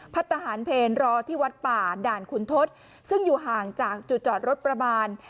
ทหารเพลรอที่วัดป่าด่านขุนทศซึ่งอยู่ห่างจากจุดจอดรถประมาณ